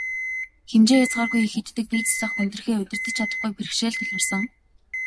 Хэмжээ хязгааргүй их иддэг, бие засах, хүндрэхээ удирдаж чадахгүй бэрхшээл тулгарсан.